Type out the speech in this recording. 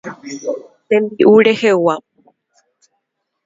Tembi'u rehegua.